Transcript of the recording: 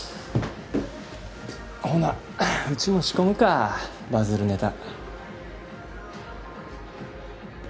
ほなうちも仕込むかバズるネタ。